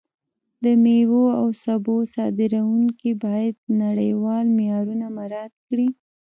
د میوو او سبو صادروونکي باید نړیوال معیارونه مراعت کړي.